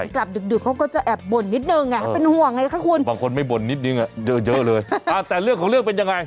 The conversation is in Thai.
กลับดึกเค้าก็จะเอบบ่นนิดนึง